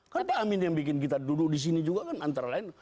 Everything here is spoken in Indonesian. karena pak amin yang bikin kita duduk di sini juga kan antara lain